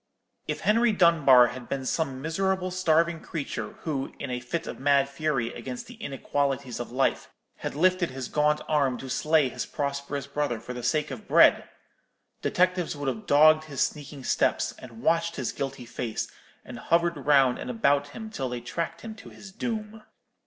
If Henry Dunbar had been some miserable starving creature, who, in a fit of mad fury against the inequalities of life, had lifted his gaunt arm to slay his prosperous brother for the sake of bread—detectives would have dogged his sneaking steps, and watched his guilty face, and hovered round and about him till they tracked him to his doom.